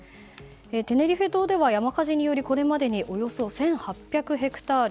テネリフェ島では山火事によりおよそ１８００ヘクタール